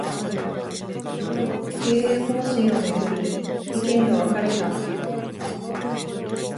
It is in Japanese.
経営方針を巡り、意見が分かれた